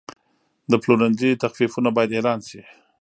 د پلورنځي تخفیفونه باید اعلان شي.